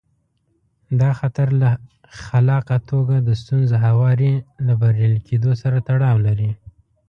دا خطر له خلاقه توګه د ستونزو هواري له بریالي کېدو سره تړاو لري.